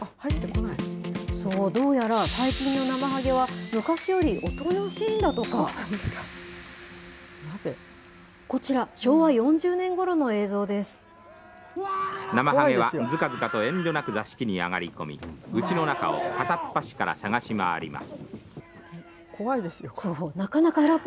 なまはげは、ずかずかと遠慮なく座敷に上がり込み、うちの中を片っ端から探し回ります。